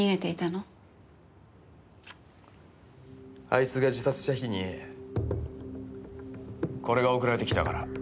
あいつが自殺した日にこれが送られてきたから。